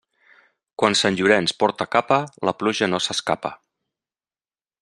Quan Sant Llorenç porta capa, la pluja no s'escapa.